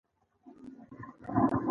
ددې ښار ښایست په دې کې دی.